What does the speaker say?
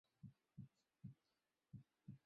দেখো, এখানে মূল কথা হলো ভিক একজন জিনিয়াস আএ ধনী মানুষ।